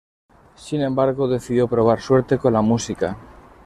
Sin embargo, decidió probar suerte con la música.